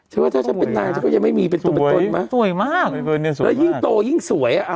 ฉันว่าถ้าจะเป็นนางก็ยังไม่มีเป็นตัวตนมาสวยมากแล้วยิ่งโตยิ่งสวยน่ะ